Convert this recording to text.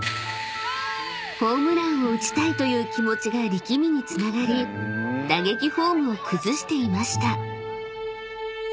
［ホームランを打ちたいという気持ちが力みにつながり打撃フォームを崩していました］